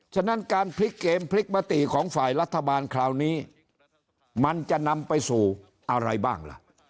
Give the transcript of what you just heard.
ฉะนั้นการพลิกเกมพลิกมติของฝ่ายรัฐบาลคราวนี้มันจะนำไปสู่อะไรบ้างล่ะ